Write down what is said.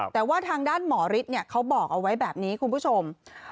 แต่ว่าทางด้านหมอฤทธิ์เขาบอกเอาไว้แบบนี้คุณผู้ชม